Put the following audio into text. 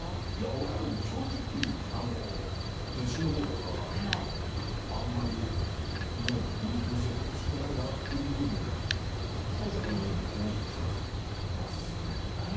俺は、正直弟子のほうだからあんまり見せてほしくないなって思っちゃいますね。